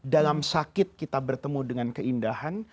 dalam sakit kita bertemu dengan keindahan